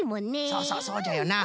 そうそうそうじゃよな。